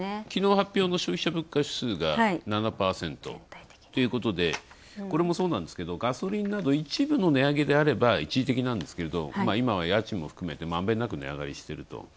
きのう発表の消費者物価指数が７％ということでこれもそうなんですけど、ガソリンなど一部の値上げであれば一時的なんですけど、今は家賃も含めてまんべんなく値上がりしてると。